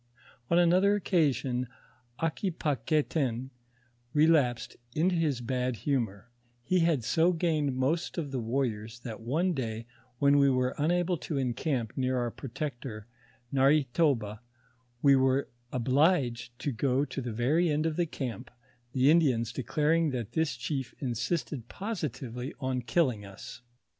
On another occasion, Aquipaguetin relapsed into his bad bumoi' : he had so gained most of the wan'iors, that one day when we were unable to encamp near our protector Narhe toba, we were obliged to go to the very end of the camp, the Indians declaring that this chief insisted positively on killing us.